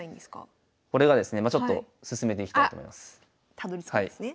たどりつくんですね。